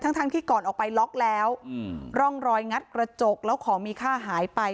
ทั้งทั้งที่ก่อนออกไปล็อกแล้วร่องรอยงัดกระจกแล้วของมีค่าหายไป